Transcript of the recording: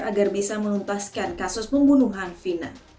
agar bisa menuntaskan kasus pembunuhan vina